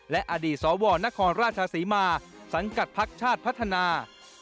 และอดีตสวนครราชศรีมาสังกัดพักชาติพัฒนา